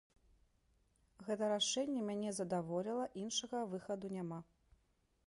Гэта рашэнне мяне задаволіла, іншага выхаду няма.